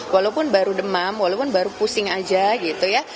walaupun baru demam walaupun baru pusing aja gitu ya